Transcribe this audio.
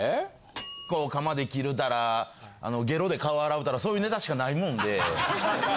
×××をカマで切るたらゲロで顔洗うたらそういうネタしかないもんで。